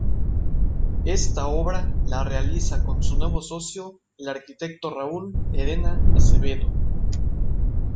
Esta obra la realiza con su nuevo socio el arquitecto Raúl Lerena Acevedo.